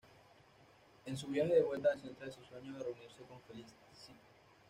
En su viaje de vuelta se centra en su sueño de reunirse con Felicitas.